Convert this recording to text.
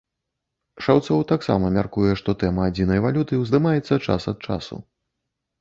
Шаўцоў таксама мяркуе, што тэма адзінай валюты ўздымаецца час ад часу.